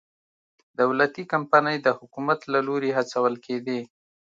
دولتي کمپنۍ د حکومت له لوري هڅول کېدې.